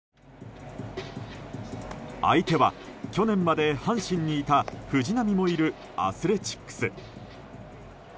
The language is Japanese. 相手は去年まで阪神にいた藤浪もいるアスレチックス。